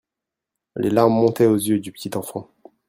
Les larmes montaient aux yeux du petit enfant.